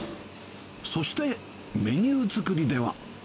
そしてメニュー作りでは。